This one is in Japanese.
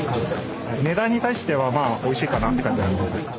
値段に対してはおいしいかなって感じです。